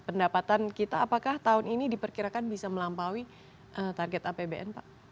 pendapatan kita apakah tahun ini diperkirakan bisa melampaui target apbn pak